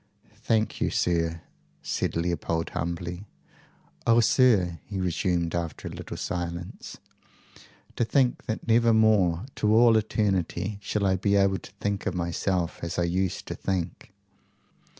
"Thank you, sir," said Leopold humbly. "Oh, sir!" he resumed after a little silence, " to think that never more to all eternity shall I be able to think of myself as I used to think!"